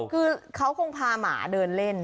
คือเขาคงพาหมาเดินเล่น